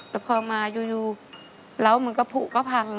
แล้วพอมาอยู่ร้องมันก็ผูก็พังนะ